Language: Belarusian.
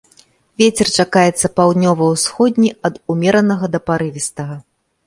Вецер чакаецца паўднёва-ўсходні ад умеранага да парывістага.